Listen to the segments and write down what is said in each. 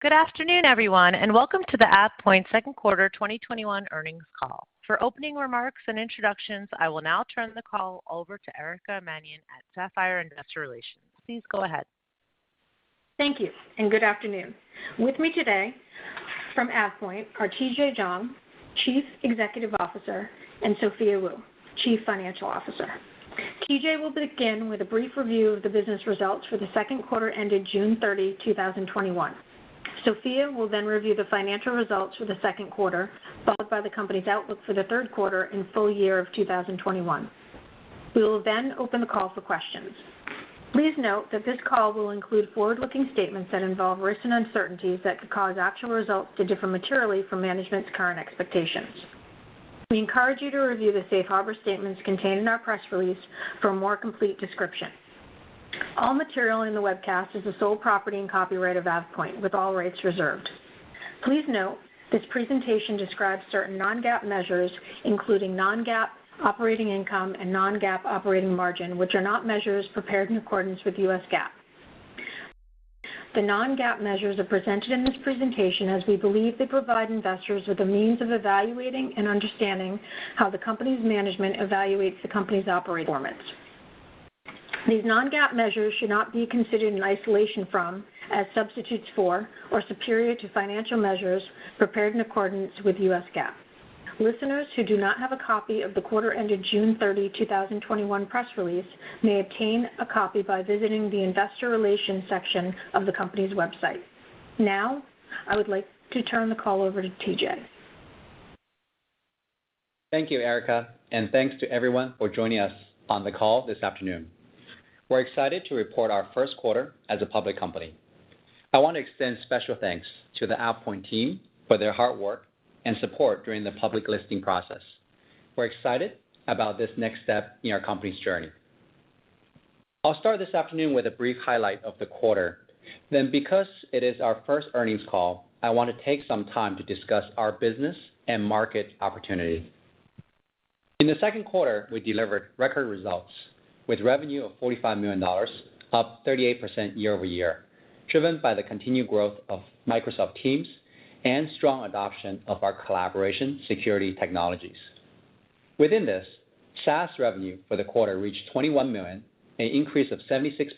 Good afternoon, everyone, and welcome to the AvePoint second quarter 2021 earnings call. For opening remarks and introductions, I will now turn the call over to Erica Mannion at Sapphire Investor Relations. Please go ahead. Thank you, and good afternoon. With me today from AvePoint are TJ Jiang, Chief Executive Officer, and Sophia Wu, Chief Financial Officer. TJ will begin with a brief review of the business results for the second quarter ended June 30, 2021. Sophia will then review the financial results for the second quarter, followed by the company's outlook for the third quarter and full- year of 2021. We will then open the call for questions. Please note that this call will include forward-looking statements that involve risks and uncertainties that could cause actual results to differ materially from management's current expectations. We encourage you to review the safe harbor statements contained in our press release for a more complete description. All material in the webcast is the sole property and copyright of AvePoint, with all rights reserved. Please note, this presentation describes certain non-GAAP measures, including non-GAAP operating income and non-GAAP operating margin, which are not measures prepared in accordance with US GAAP. The non-GAAP measures are presented in this presentation as we believe they provide investors with a means of evaluating and understanding how the company's management evaluates the company's operating performance. These non-GAAP measures should not be considered in isolation from, as substitutes for, or superior to financial measures prepared in accordance with US GAAP. Listeners who do not have a copy of the quarter ended June 30, 2021, press release may obtain a copy by visiting the investor relations section of the company's website. Now, I would like to turn the call over to TJ. Thank you, Erica, and thanks to everyone for joining us on the call this afternoon. We're excited to report our first quarter as a public company. I want to extend special thanks to the AvePoint team for their hard work and support during the public listing process. We're excited about this next step in our company's journey. I'll start this afternoon with a brief highlight of the quarter. Because it is our first earnings call, I want to take some time to discuss our business and market opportunity. In the second quarter, we delivered record results with revenue of $45 million, up 38% year-over-year, driven by the continued growth of Microsoft Teams and strong adoption of our collaboration security technologies. Within this, SaaS revenue for the quarter reached $21 million, an increase of 76%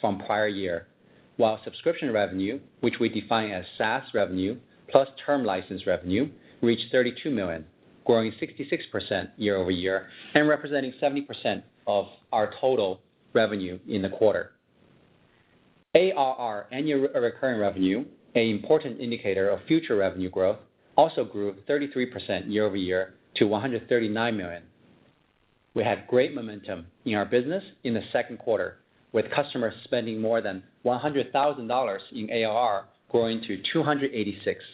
from prior year, while subscription revenue, which we define as SaaS revenue plus term license revenue, reached $32 million, growing 66% year-over-year and representing 70% of our total revenue in the quarter. ARR, annual recurring revenue, an important indicator of future revenue growth, also grew 33% year-over-year to $139 million. We had great momentum in our business in the second quarter, with customers spending more than $100,000 in ARR growing to 286,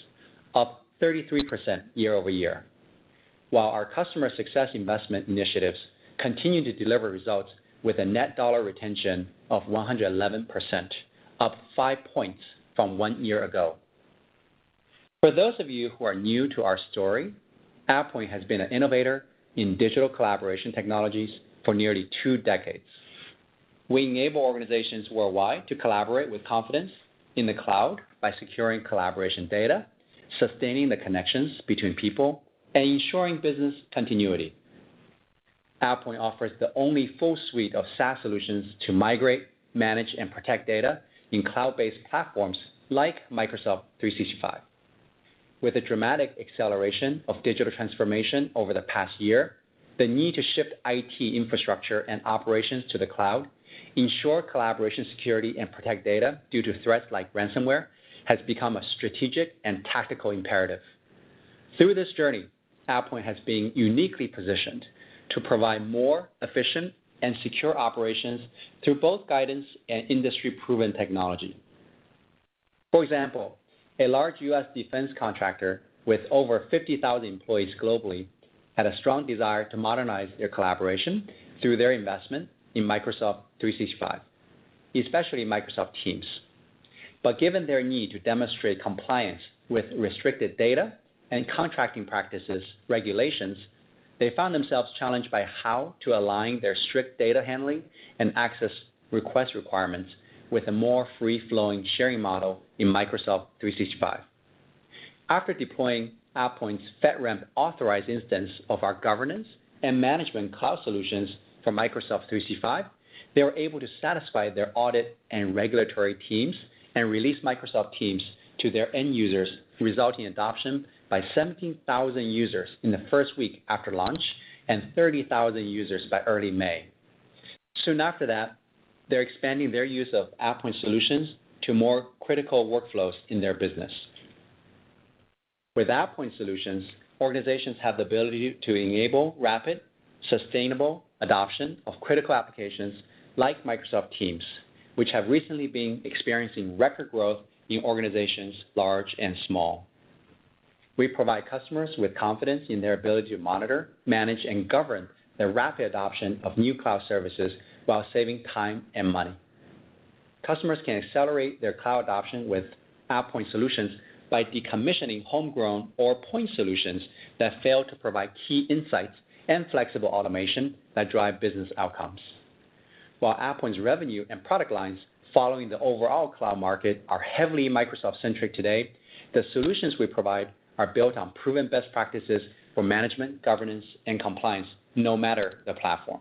up 33% year-over-year. While our customer success investment initiatives continue to deliver results with a net dollar retention of 111%, up five points from one year ago. For those of you who are new to our story, AvePoint has been an innovator in digital collaboration technologies for nearly two decades. We enable organizations worldwide to collaborate with confidence in the cloud by securing collaboration data, sustaining the connections between people, and ensuring business continuity. AvePoint offers the only one full suite of SaaS solutions to migrate, manage, and protect data in cloud-based platforms like Microsoft 365. With the dramatic acceleration of digital transformation over the past year, the need to shift IT infrastructure and operations to the cloud ensure collaboration security and protect data due to threats like ransomware has become a strategic and tactical imperative. Through this journey, AvePoint has been uniquely positioned to provide more efficient and secure operations through both guidance and industry-proven technology. For example, a large U.S. defense contractor with over 50,000 employees globally had a strong desire to modernize their collaboration through their investment in Microsoft 365, especially Microsoft Teams. Given their need to demonstrate compliance with restricted data and contracting practices regulations, they found themselves challenged by how to align their strict data handling and access request requirements with a more free-flowing sharing model in Microsoft 365. After deploying AvePoint's FedRAMP-authorized instance of our governance and management cloud solutions for Microsoft 365, they were able to satisfy their audit and regulatory teams and release Microsoft Teams to their end users, resulting in adoption by 17,000 users in the first week after launch and 30,000 users by early May. Soon after that, they're expanding their use of AvePoint solutions to more critical workflows in their business. With AvePoint solutions, organizations have the ability to enable rapid, sustainable adoption of critical applications like Microsoft Teams, which have recently been experiencing record growth in organizations large and small. We provide customers with confidence in their ability to monitor, manage, and govern the rapid adoption of new cloud services while saving time and money. Customers can accelerate their cloud adoption with AvePoint solutions by decommissioning homegrown or point solutions that fail to provide key insights and flexible automation that drive business outcomes. AvePoint's revenue and product lines following the overall cloud market are heavily Microsoft centric today, the solutions we provide are built on proven best practices for management, governance, and compliance, no matter the platform.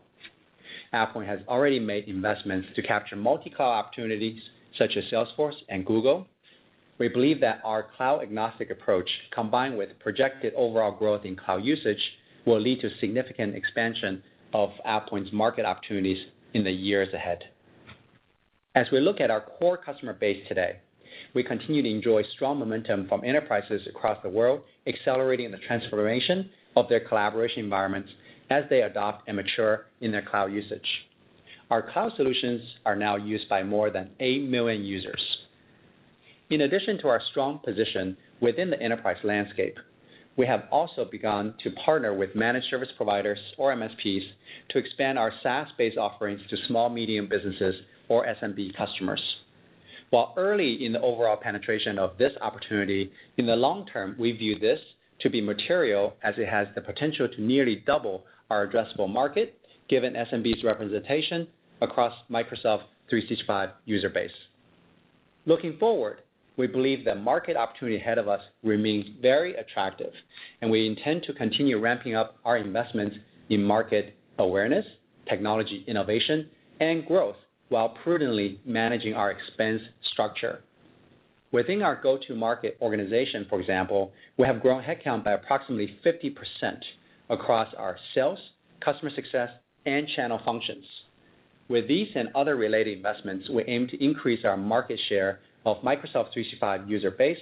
AvePoint has already made investments to capture multi-cloud opportunities such as Salesforce and Google. We believe that our cloud agnostic approach, combined with projected overall growth in cloud usage, will lead to significant expansion of AvePoint's market opportunities in the years ahead. As we look at our core customer base today, we continue to enjoy strong momentum from enterprises across the world, accelerating the transformation of their collaboration environments as they adopt and mature in their cloud usage. Our cloud solutions are now used by more than 8 million users. In addition to our strong position within the enterprise landscape, we have also begun to partner with managed service providers or MSPs to expand our SaaS based offerings to small medium businesses or SMB customers. While early in the overall penetration of this opportunity, in the long- term, we view this to be material as it has the potential to nearly double our addressable market, given SMB's representation across Microsoft 365 user base. Looking forward, we believe the market opportunity ahead of us remains very attractive, and we intend to continue ramping up our investments in market awareness, technology innovation, and growth while prudently managing our expense structure. Within our go-to-market organization, for example, we have grown headcount by approximately 50% across our sales, customer success, and channel functions. With these and other related investments, we aim to increase our market share of Microsoft 365 user base,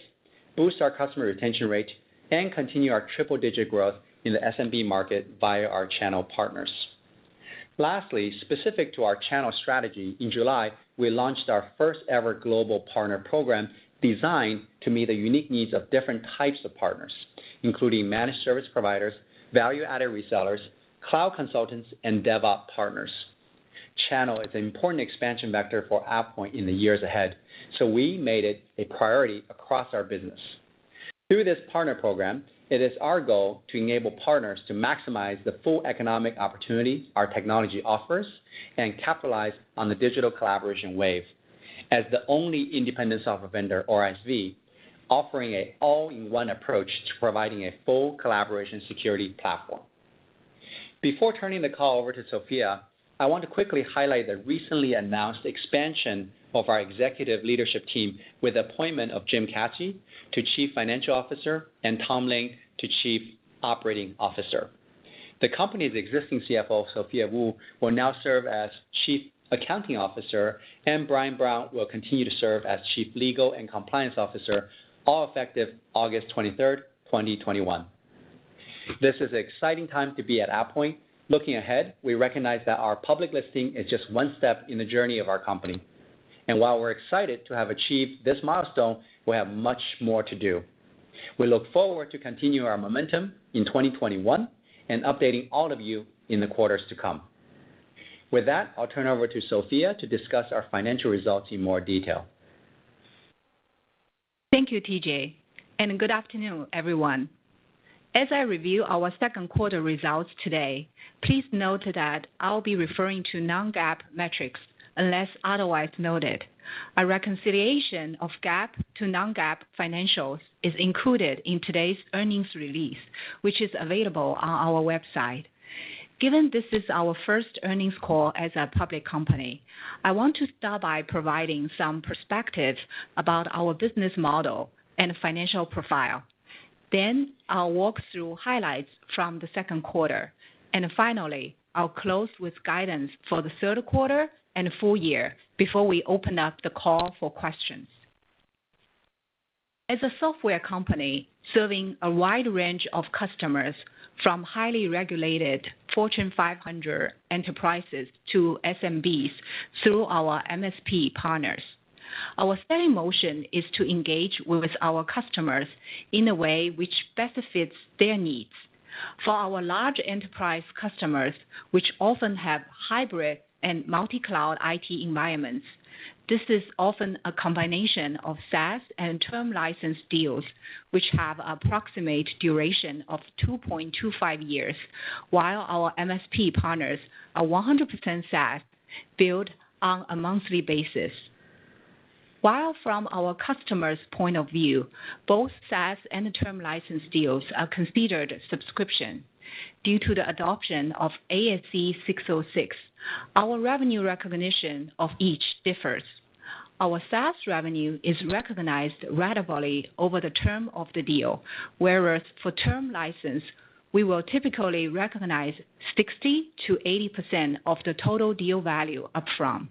boost our customer retention rate, and continue our triple digit growth in the SMB market via our channel partners. Lastly, specific to our channel strategy, in July, we launched our first ever global partner program designed to meet the unique needs of different types of partners, including managed service providers, value-added resellers, cloud consultants, and DevOps partners. Channel is an important expansion vector for AvePoint in the years ahead. We made it a priority across our business. Through this partner program, it is our goal to enable partners to maximize the full economic opportunity our technology offers and capitalize on the digital collaboration wave as the only independent software vendor, or ISV, offering an all-in-one approach to providing a full collaboration security platform. Before turning the call over to Sophia, I want to quickly highlight the recently announced expansion of our executive leadership team with the appointment of Jim Caci to Chief Financial Officer and Tom Lin to Chief Operating Officer. The company's existing CFO, Sophia Wu, will now serve as Chief Accounting Officer, and Brian Brown will continue to serve as Chief Legal and Compliance Officer, all effective August 23rd, 2021. This is an exciting time to be at AvePoint. Looking ahead, we recognize that our public listing is just one step in the journey of our company. While we're excited to have achieved this milestone, we have much more to do. We look forward to continuing our momentum in 2021 and updating all of you in the quarters to come. I'll turn over to Sophia to discuss our financial results in more detail. Thank you, TJ, and good afternoon, everyone. As I review our second quarter results today, please note that I'll be referring to non-GAAP metrics unless otherwise noted. A reconciliation of GAAP to non-GAAP financials is included in today's earnings release, which is available on our website. Given this is our first earnings call as a public company, I want to start by providing some perspective about our business model and financial profile. Then I'll walk through highlights from the second quarter, and finally, I'll close with guidance for the third quarter and full- year before we open up the call for questions. As a software company serving a wide range of customers, from highly regulated Fortune 500 enterprises to SMBs through our MSP partners, our steady motion is to engage with our customers in a way which best fits their needs. For our large enterprise customers, which often have hybrid and multi-cloud IT environments, this is often a combination of SaaS and term license deals which have approximate duration of 2.25 years, while our MSP partners are 100% SaaS billed on a monthly basis. While from our customer's point of view, both SaaS and the term license deals are considered subscription due to the adoption of ASC 606, our revenue recognition of each differs. Our SaaS revenue is recognized ratably over the term of the deal, whereas for term license, we will typically recognize 60%-80% of the total deal value up front.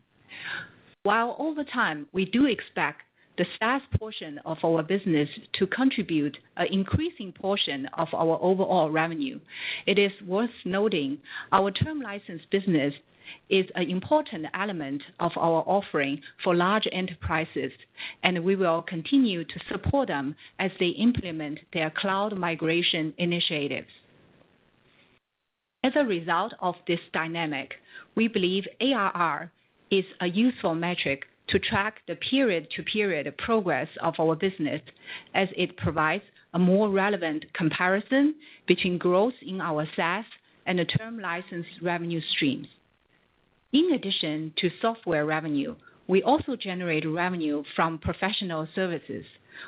While over time, we do expect the SaaS portion of our business to contribute an increasing portion of our overall revenue, it is worth noting our term license business is an important element of our offering for large enterprises, and we will continue to support them as they implement their cloud migration initiatives. As a result of this dynamic, we believe ARR is a useful metric to track the period to period progress of our business as it provides a more relevant comparison between growth in our SaaS and the term license revenue streams. In addition to software revenue, we also generate revenue from professional services,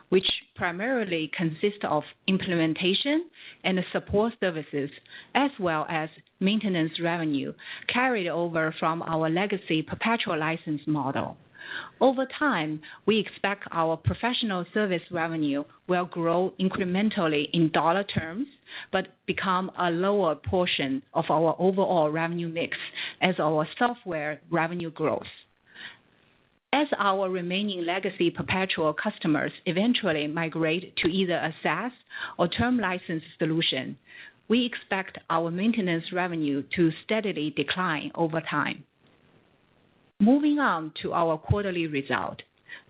which primarily consist of implementation and support services, as well as maintenance revenue carried over from our legacy perpetual license model. Over time, we expect our professional service revenue will grow incrementally in dollar terms, but become a lower portion of our overall revenue mix as our software revenue grows. As our remaining legacy perpetual customers eventually migrate to either a SaaS or term license solution, we expect our maintenance revenue to steadily decline over time. Moving on to our quarterly result.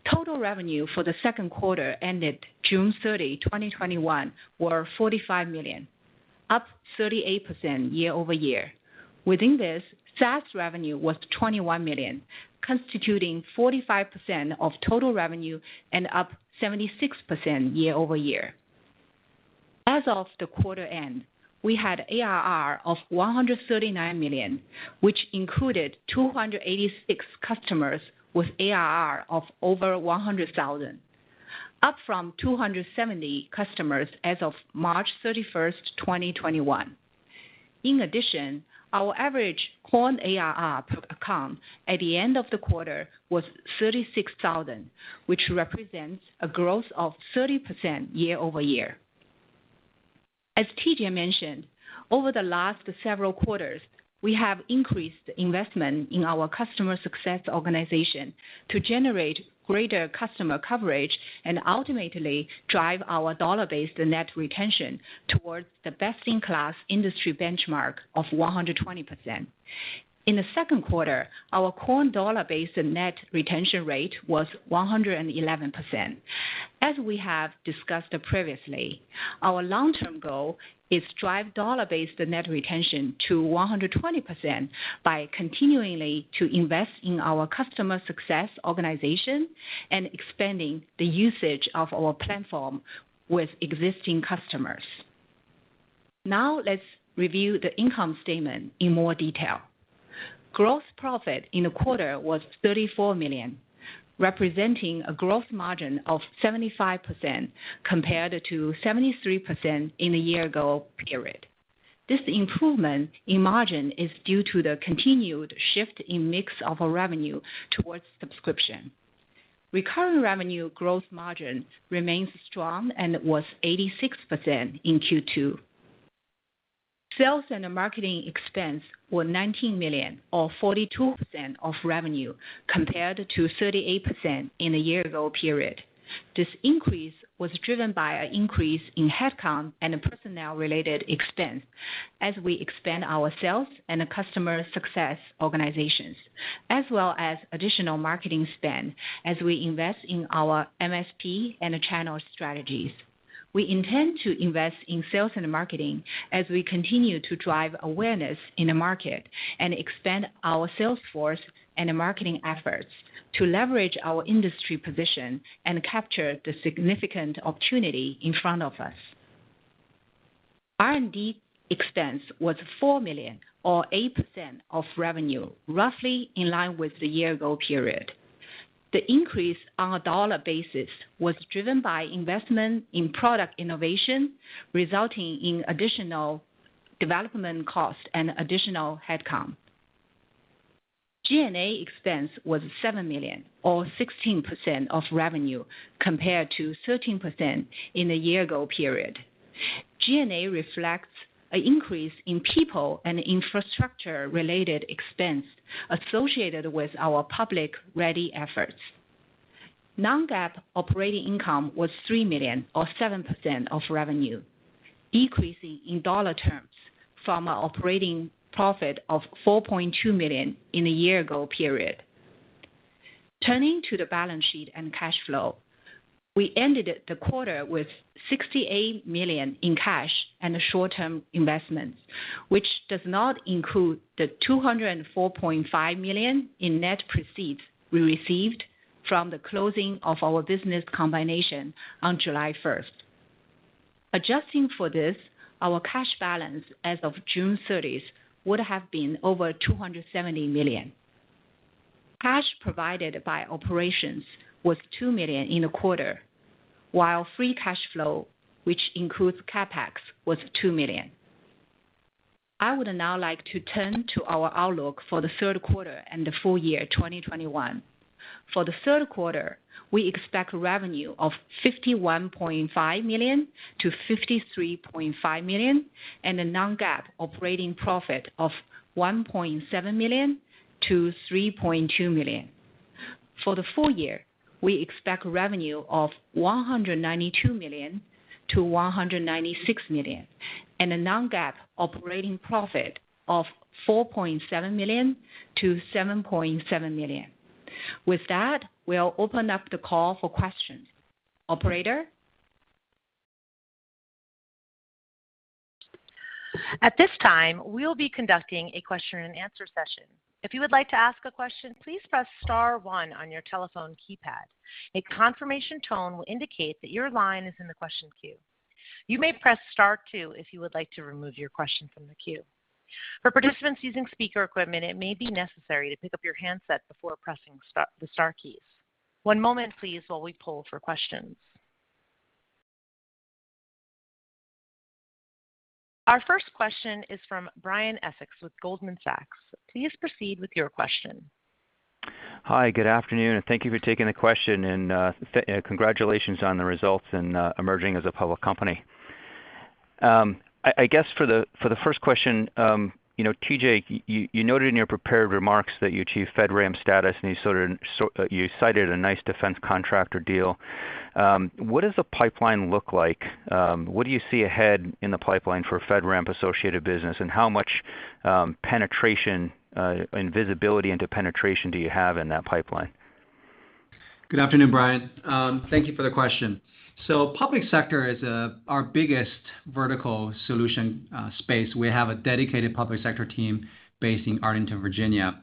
Total revenue for the second quarter ended June 30, 2021, were $45 million, up 38% year-over-year. Within this, SaaS revenue was $21 million, constituting 45% of total revenue and up 76% year-over-year. As of the quarter end, we had ARR of $139 million, which included 286 customers with ARR of over $100,000, up from 270 customers as of March 31st, 2021. In addition, our average core ARR per account at the end of the quarter was $36,000, which represents a growth of 30% year-over-year. As TJ mentioned, over the last several quarters, we have increased investment in our customer success organization to generate greater customer coverage and ultimately drive our dollar-based net retention towards the best-in-class industry benchmark of 120%. In the second quarter, our core dollar-based net retention rate was 111%. As we have discussed previously, our long-term goal is to drive dollar-based net retention to 120% by continuing to invest in our customer success organization and expanding the usage of our platform with existing customers. Now, let's review the income statement in more detail. Gross profit in the quarter was $34 million, representing a gross margin of 75%, compared to 73% in the year ago period. This improvement in margin is due to the continued shift in mix of our revenue towards subscription. Recurring revenue growth margin remains strong and was 86% in Q2. Sales and marketing expense were $19 million, or 42% of revenue, compared to 38% in the year ago period. This increase was driven by an increase in headcount and personnel-related expense as we expand our sales and customer success organizations, as well as additional marketing spend as we invest in our MSP and channel strategies. We intend to invest in sales and marketing as we continue to drive awareness in the market and expand our sales force and marketing efforts to leverage our industry position and capture the significant opportunity in front of us. R&D expense was $4 million, or 8% of revenue, roughly in line with the year ago period. The increase on a dollar basis was driven by investment in product innovation, resulting in additional development costs and additional headcount. G&A expense was $7 million, or 16% of revenue, compared to 13% in the year ago period. G&A reflects an increase in people and infrastructure-related expense associated with our public-ready efforts. Non-GAAP operating income was $3 million, or 7% of revenue, decreasing in dollar terms from an operating profit of $4.2 million in the year ago period. Turning to the balance sheet and cash flow, we ended the quarter with $68 million in cash and short-term investments, which does not include the $204.5 million in net proceeds we received from the closing of our business combination on July 1st. Adjusting for this, our cash balance as of June 30th would have been over $270 million. Cash provided by operations was $2 million in the quarter, while free cash flow, which includes CapEx, was $2 million. I would now like to turn to our outlook for the third quarter and the full- year 2021. For the third quarter, we expect revenue of $51.5 million-$53.5 million and a non-GAAP operating profit of $1.7 million-$3.2 million. For the full- year, we expect revenue of $192 million-$196 million and a non-GAAP operating profit of $4.7 million-$7.7 million. With that, we'll open up the call for questions. Operator? Our first question is from Brian Essex with Goldman Sachs. Please proceed with your question. Hi, good afternoon. Thank you for taking the question. Congratulations on the results and emerging as a public company. I guess for the 1st question, TJ, you noted in your prepared remarks that you achieved FedRAMP status. You cited a nice defense contractor deal. What does the pipeline look like? What do you see ahead in the pipeline for FedRAMP-associated business? How much penetration and visibility into penetration do you have in that pipeline? Good afternoon, Brian. Thank you for the question. Public sector is our biggest vertical solution space. We have a dedicated public sector team based in Arlington, Virginia.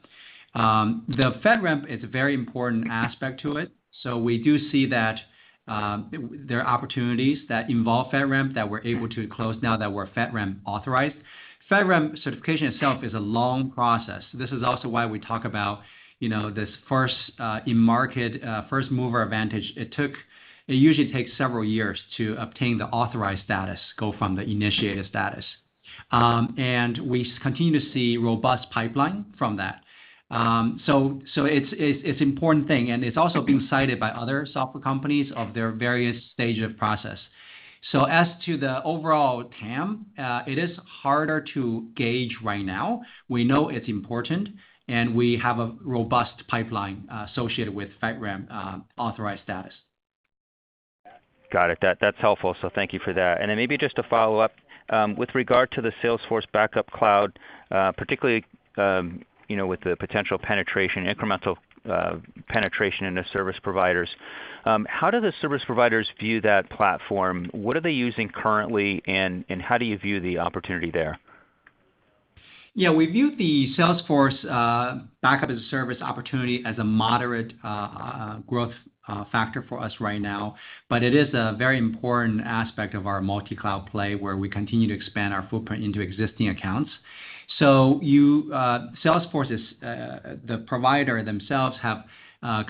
The FedRAMP is a very important aspect to it. We do see that there are opportunities that involve FedRAMP that we're able to close now that we're FedRAMP authorized. FedRAMP certification itself is a long process. This is also why we talk about this first in-market, first-mover advantage. It usually takes several years to obtain the authorized status, go from the initiated status. We continue to see robust pipeline from that. It's an important thing, and it's also being cited by other software companies of their various stage of process. As to the overall TAM, it is harder to gauge right now. We know it's important, and we have a robust pipeline associated with FedRAMP authorized status. Got it. That's helpful. Thank you for that. Maybe just a follow-up. With regard to the Salesforce backup cloud, particularly, with the potential penetration, incremental penetration into service providers, how do the service providers view that platform? What are they using currently, and how do you view the opportunity there? Yeah, we view the Salesforce backup as a service opportunity as a moderate growth factor for us right now, but it is a very important aspect of our multi-cloud play, where we continue to expand our footprint into existing accounts. Salesforce, the provider themselves, have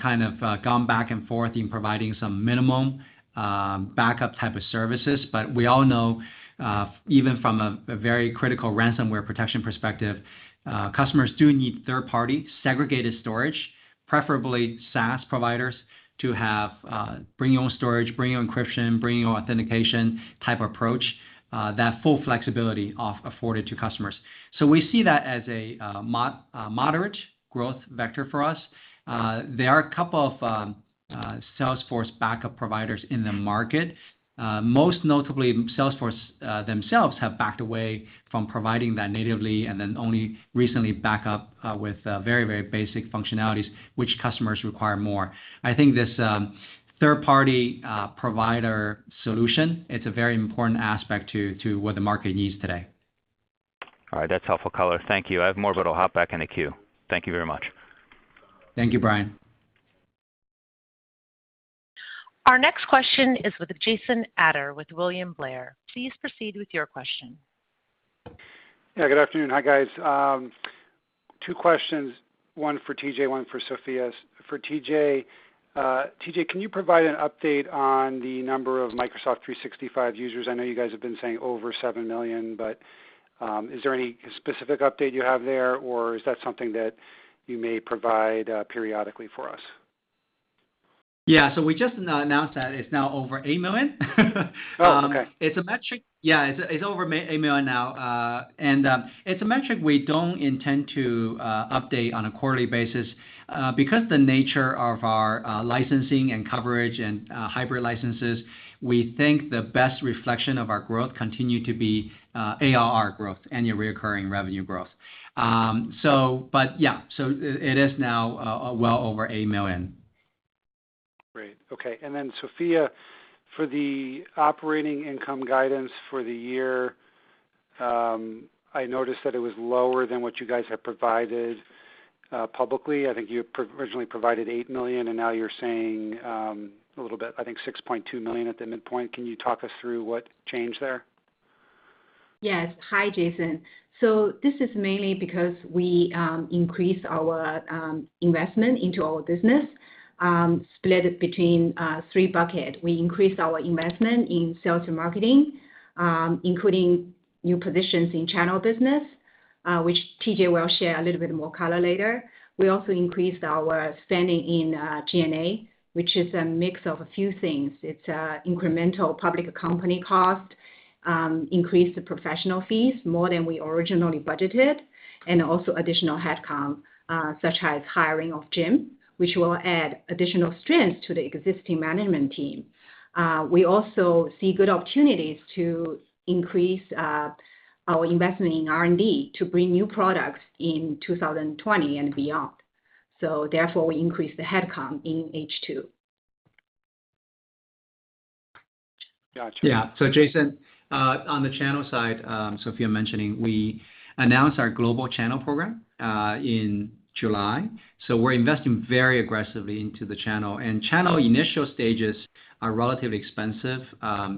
kind of gone back and forth in providing some minimum backup type of services. We all know, even from a very critical ransomware protection perspective, customers do need third-party segregated storage, preferably SaaS providers, to have bring your own storage, bring your own encryption, bring your own authentication type approach, that full flexibility afforded to customers. We see that as a moderate growth vector for us. There are a couple of Salesforce backup providers in the market. Most notably, Salesforce themselves have backed away from providing that natively, and then only recently back up with very basic functionalities, which customers require more. I think this third-party provider solution, it's a very important aspect to what the market needs today. All right. That's helpful color. Thank you. I have more, but I'll hop back in the queue. Thank you very much. Thank you, Brian. Our next question is with Jason Ader with William Blair. Please proceed with your question. Yeah. Good afternoon. Hi, guys. Two questions, one for TJ, one for Sophia. For TJ, can you provide an update on the number of Microsoft 365 users? I know you guys have been saying over 7 million, but is there any specific update you have there, or is that something that you may provide periodically for us? Yeah. We just announced that it's now over 8 million. Oh, okay. Yeah, it's over 8 million now. It's a metric we don't intend to update on a quarterly basis. The nature of our licensing and coverage and hybrid licenses, we think the best reflection of our growth continue to be ARR growth, annual recurring revenue growth. It is now well over 8 million. Great. Okay. Sophia, for the operating income guidance for the year, I noticed that it was lower than what you guys have provided publicly. I think you originally provided $8 million, and now you're saying a little bit, I think $6.2 million at the midpoint. Can you talk us through what changed there? Yes. Hi, Jason. This is mainly because we increased our investment into our business, split between 3 buckets. We increased our investment in sales and marketing, including new positions in channel business, which TJ will share a little bit more color later. We also increased our spending in G&A, which is a mix of a few things. It's incremental public company cost, increased the professional fees more than we originally budgeted, and also additional head count, such as hiring of Jim, which will add additional strength to the existing management team. We also see good opportunities to increase our investment in R&D to bring new products in 2020 and beyond. Therefore, we increased the head count in H2. Gotcha. Jason, on the channel side, Sophia mentioning we announced our global channel program in July. We're investing very aggressively into the channel, and channel initial stages are relatively expensive.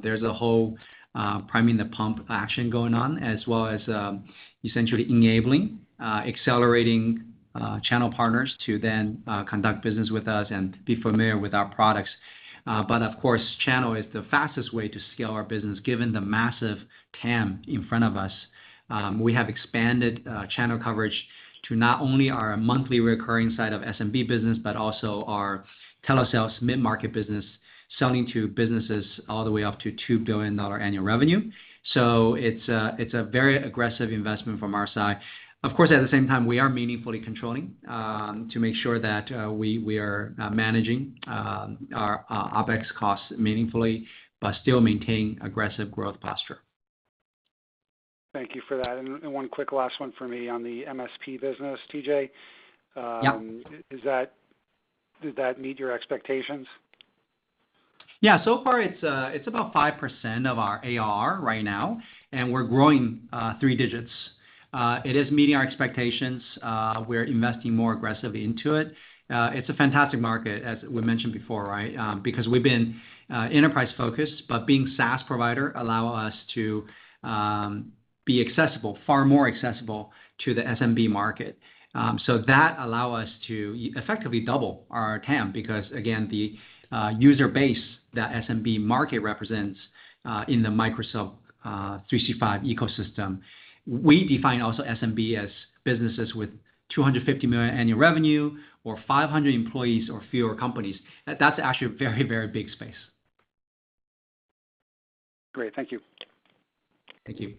There's a whole priming the pump action going on, as well as essentially enabling, accelerating channel partners to then conduct business with us and be familiar with our products. Of course, channel is the fastest way to scale our business, given the massive TAM in front of us. We have expanded channel coverage to not only our monthly recurring side of SMB business, but also our telesales mid-market business, selling to businesses all the way up to $2 billion annual revenue. It's a very aggressive investment from our side. Of course, at the same time, we are meaningfully controlling to make sure that we are managing our OpEx costs meaningfully but still maintain aggressive growth posture. Thank you for that. One quick last one for me on the MSP business, TJ. Yeah. Did that meet your expectations? So far it's about 5% of our ARR right now, and we're growing 3 digits. It is meeting our expectations. We're investing more aggressively into it. It's a fantastic market, as we mentioned before, because we've been enterprise-focused, but being a SaaS provider allows us to be far more accessible to the SMB market. That allows us to effectively double our TAM because, again, the user base that SMB market represents in the Microsoft 365 ecosystem. We define also SMB as businesses with $250 million annual revenue or 500 employees or fewer companies. That's actually a very, very big space. Great. Thank you. Thank you.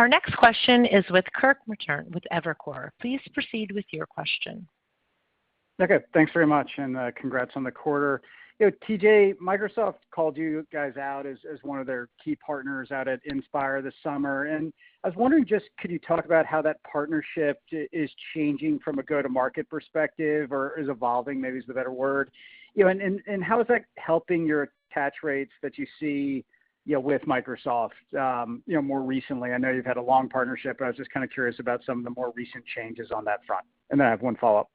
Our next question is with Kirk Materne with Evercore. Please proceed with your question. Okay, thanks very much, and congrats on the quarter. TJ, Microsoft called you guys out as one of their key partners out at Inspire this summer. I was wondering just could you talk about how that partnership is changing from a go-to-market perspective or is evolving, maybe is the better word. How is that helping your attach rates that you see with Microsoft more recently? I know you've had a long partnership, but I was just curious about some of the more recent changes on that front. I have one follow-up.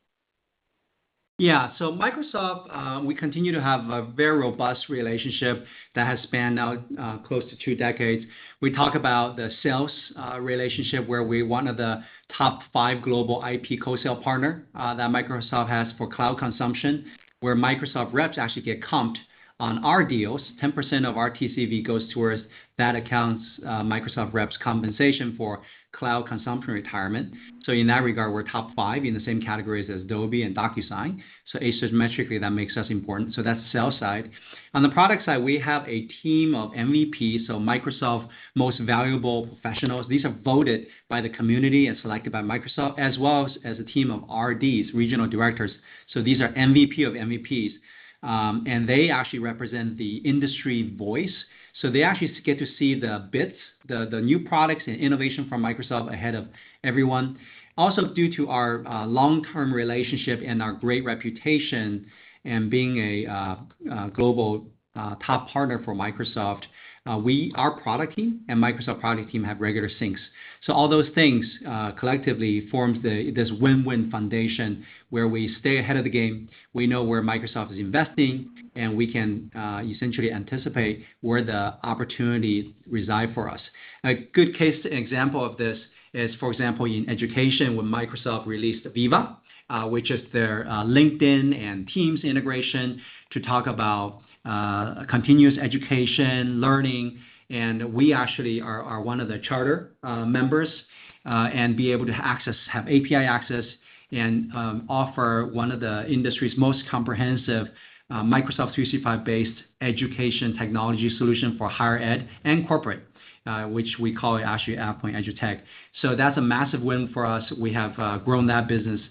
Yeah. Microsoft, we continue to have a very robust relationship that has spanned now close to 2 decades. We talk about the sales relationship where we're 1 of the top 5 global IP co-sale partner that Microsoft has for cloud consumption, where Microsoft reps actually get comped on our deals. 10% of our TCV goes towards that account's Microsoft reps compensation for cloud consumption retirement. In that regard, we're top 5 in the same categories as Adobe and DocuSign. Asymmetrically, that makes us important. That's sales side. On the product side, we have a team of MVPs, so Microsoft Most Valuable Professionals. These are voted by the community and selected by Microsoft, as well as a team of RDs, regional directors. These are MVP of MVPs. They actually represent the industry voice. They actually get to see the bits, the new products and innovation from Microsoft ahead of everyone. Also, due to our long-term relationship and our great reputation and being a global top partner for Microsoft, our product team and Microsoft product team have regular syncs. All those things collectively forms this win-win foundation where we stay ahead of the game. We know where Microsoft is investing, and we can essentially anticipate where the opportunities reside for us. A good case example of this is, for example, in education when Microsoft released the Viva, which is their LinkedIn and Teams integration to talk about continuous education learning. We actually are one of the charter members and be able to have API access and offer one of the industry's most comprehensive Microsoft 365-based education technology solution for higher ed and corporate, which we call actually AvePoint EduTech. That's a massive win for us. We have grown that business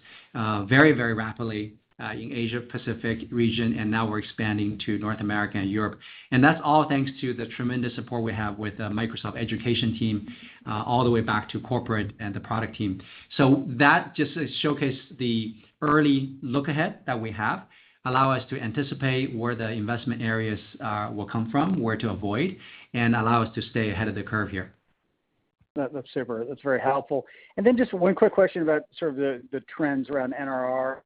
very rapidly in Asia-Pacific region, and now we're expanding to North America and Europe. That's all thanks to the tremendous support we have with the Microsoft education team, all the way back to corporate and the product team. That just showcased the early look ahead that we have, allow us to anticipate where the investment areas will come from, where to avoid, and allow us to stay ahead of the curve here. That's super. That's very helpful. Just one quick question about the trends around NRR.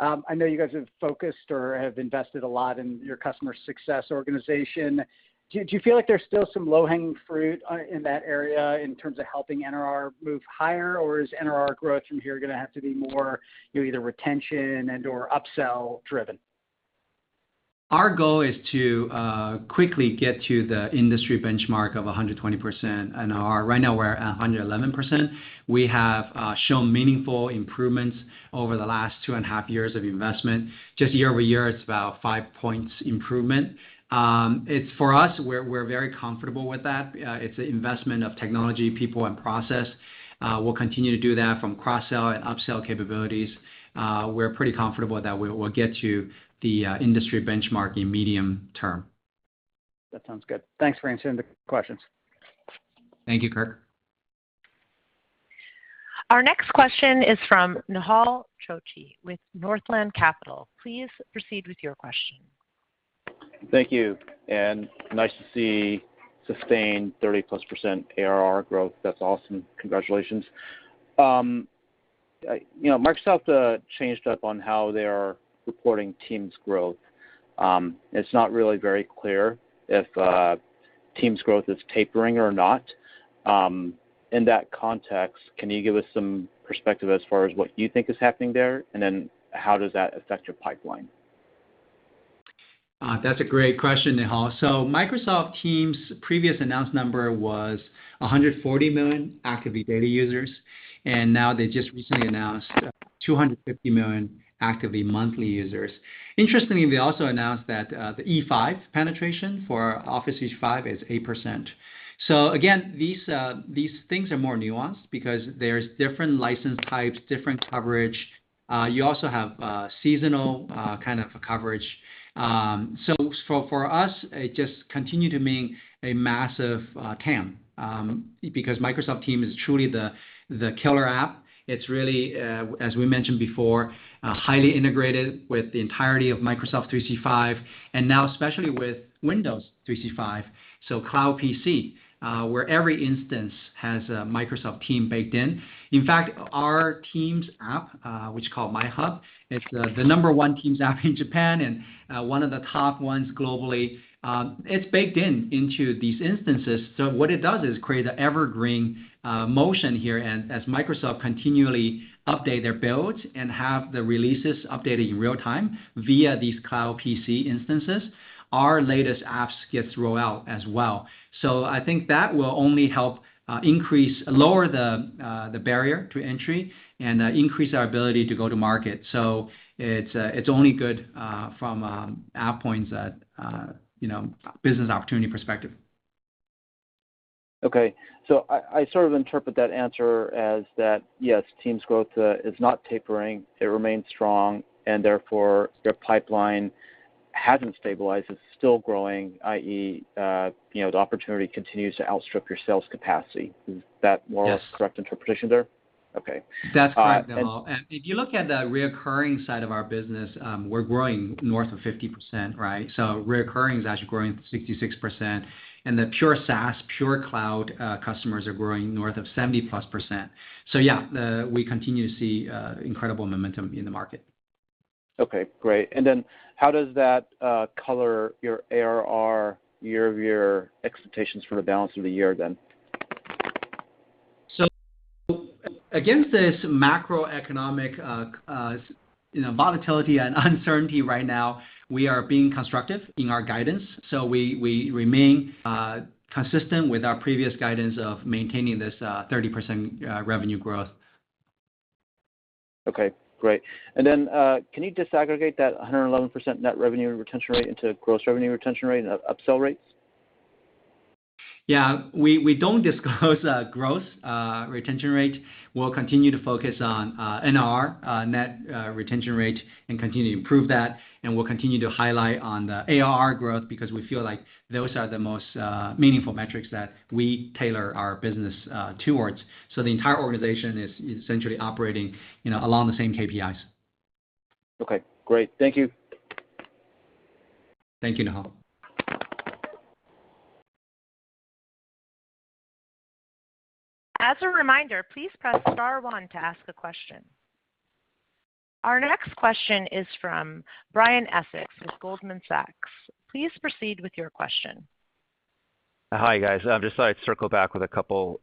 I know you guys have focused or have invested a lot in your customer success organization. Do you feel like there's still some low-hanging fruit in that area in terms of helping NRR move higher, or is NRR growth from here going to have to be more either retention and/or upsell-driven? Our goal is to quickly get to the industry benchmark of 120% NRR. Right now, we're at 111%. We have shown meaningful improvements over the last two and a half years of investment. Just year-over-year, it's about five points improvement. For us, we're very comfortable with that. It's an investment of technology, people, and process. We'll continue to do that from cross-sell and upsell capabilities. We're pretty comfortable that we'll get to the industry benchmark in medium- term. That sounds good. Thanks for answering the questions. Thank you, Kirk. Our next question is from Nehal Chokshi with Northland Capital. Please proceed with your question. Thank you, and nice to see sustained 30-plus % ARR growth. That's awesome. Congratulations. Microsoft changed up on how they are reporting Teams growth. It's not really very clear if Teams growth is tapering or not. In that context, can you give us some perspective as far as what you think is happening there, and then how does that affect your pipeline? That's a great question, Nehal. Microsoft Teams previous announced number was 140 million active daily users. Now they just recently announced 250 million active monthly users. Interestingly, they also announced that the E5 penetration for Office E5 is 8%. Again, these things are more nuanced because there's different license types, different coverage. You also have seasonal kind of coverage. For us, it just continue to mean a massive TAM, because Microsoft Teams is truly the killer app. It's really, as we mentioned before, highly integrated with the entirety of Microsoft 365. Now especially with Windows 365. Cloud PC, where every instance has a Microsoft Teams baked in. In fact, our Teams app, which is called MyHub, it's the number 1 Teams app in Japan and one of the top ones globally. It's baked into these instances. What it does is create an evergreen motion here. As Microsoft continually update their builds and have the releases updated in real time via these Cloud PC instances, our latest apps gets rolled out as well. I think that will only help lower the barrier to entry and increase our ability to go to market. It's only good from AvePoint's business opportunity perspective. I sort of interpret that answer as that, yes, Teams growth is not tapering. It remains strong, and therefore, your pipeline hasn't stabilized. It's still growing, i.e., the opportunity continues to outstrip your sales capacity. Is that? Yes more or less correct interpretation there? Okay. That's correct, Nehal. If you look at the recurring side of our business, we're growing north of 50%, right? Recurring is actually growing 66%, and the pure SaaS, pure cloud customers are growing north of 70-plus%. Yeah, we continue to see incredible momentum in the market. Okay, great. How does that color your ARR year-over-year expectations for the balance of the year then? Against this macroeconomic volatility and uncertainty right now, we are being constructive in our guidance. We remain consistent with our previous guidance of maintaining this 30% revenue growth. Okay, great. Can you disaggregate that 111% net revenue retention rate into gross revenue retention rate and upsell rates? We don't disclose growth retention rate. We'll continue to focus on NR, net retention rate, and continue to improve that. We'll continue to highlight on the ARR growth because we feel like those are the most meaningful metrics that we tailor our business towards. The entire organization is essentially operating along the same KPIs. Okay, great. Thank you. Thank you, Nehal Chokshi. As a reminder, please press star one to ask a question. Our next question is from Brian Essex with Goldman Sachs. Please proceed with your question. Hi, guys. I just thought I'd circle back with a couple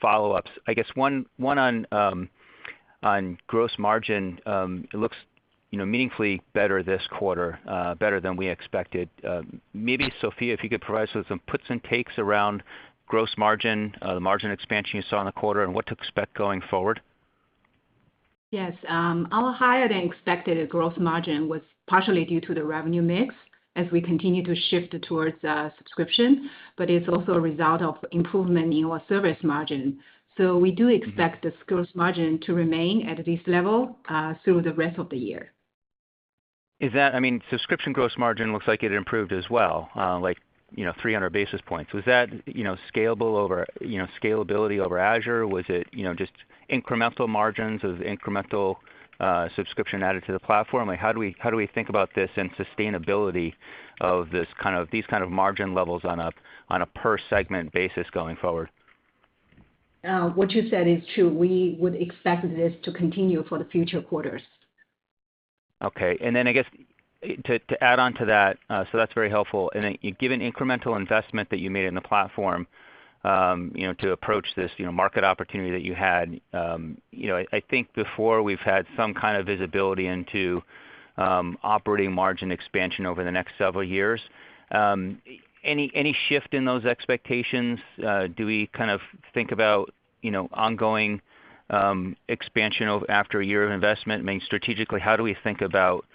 follow-ups. I guess one on gross margin. It looks meaningfully better this quarter, better than we expected. Maybe Sophia, if you could provide us with some puts and takes around gross margin, the margin expansion you saw in the quarter, and what to expect going forward. Yes. Our higher-than-expected gross margin was partially due to the revenue mix as we continue to shift towards subscription, it's also a result of improvement in our service margin. We do expect this gross margin to remain at this level through the rest of the year. Subscription gross margin looks like it improved as well, like 300 basis points. Was that scalability over Azure? Was it just incremental margins as incremental subscription added to the platform? How do we think about this and sustainability of these kind of margin levels on a per segment basis going forward? What you said is true. We would expect this to continue for the future quarters. Okay. I guess, to add on to that's very helpful. Given incremental investment that you made in the platform to approach this market opportunity that you had, I think before we've had some kind of visibility into operating margin expansion over the next several years. Any shift in those expectations? Do we kind of think about ongoing expansion after a year of investment? Strategically, how do we think about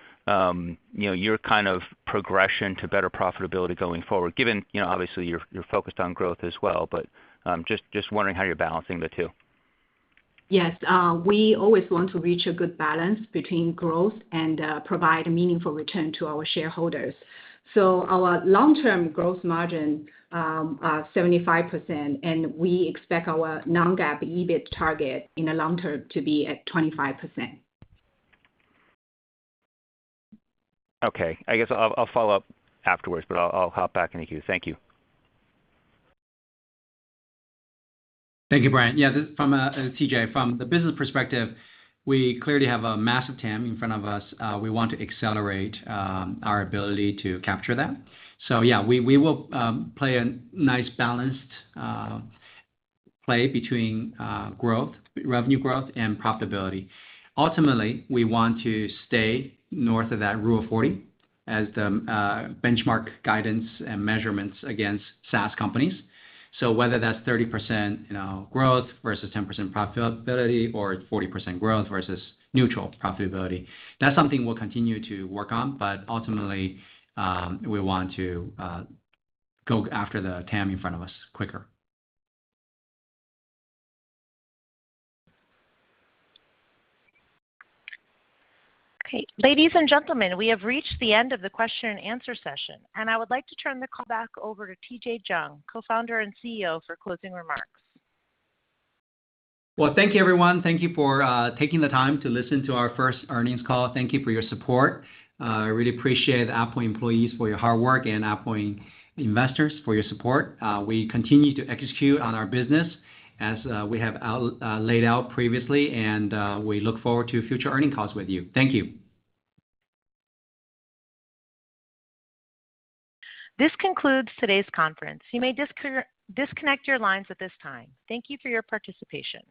your kind of progression to better profitability going forward, given obviously you're focused on growth as well, but just wondering how you're balancing the two. Yes. We always want to reach a good balance between growth and provide a meaningful return to our shareholders. Our long-term growth margin, 75%, and we expect our non-GAAP EBIT target in the long- term to be at 25%. Okay. I guess I'll follow up afterwards, but I'll hop back in the queue. Thank you. Thank you, Brian. Yeah, this is TJ. From the business perspective, we clearly have a massive TAM in front of us. We want to accelerate our ability to capture that. Yeah, we will play a nice balanced play between revenue growth and profitability. Ultimately, we want to stay north of that rule of 40 as the benchmark guidance and measurements against SaaS companies. Whether that's 30% growth versus 10% profitability or 40% growth versus neutral profitability, that's something we'll continue to work on. Ultimately, we want to go after the TAM in front of us quicker. Okay. Ladies and gentlemen, we have reached the end of the question and answer session. I would like to turn the call back over to TJ Jiang, Co-founder and CEO, for closing remarks. Well, thank you everyone. Thank you for taking the time to listen to our first earnings call. Thank you for your support. I really appreciate AvePoint employees for your hard work and AvePoint investors for your support. We continue to execute on our business as we have laid out previously, and we look forward to future earning calls with you. Thank you. This concludes today's conference. You may disconnect your lines at this time. Thank you for your participation.